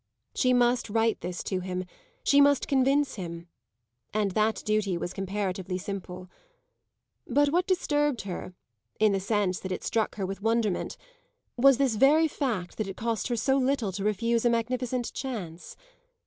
She must write this to him, she must convince him, and that duty was comparatively simple. But what disturbed her, in the sense that it struck her with wonderment, was this very fact that it cost her so little to refuse a magnificent "chance."